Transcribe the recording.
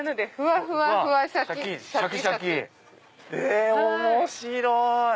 え面白い！